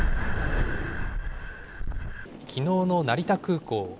きのうの成田空港。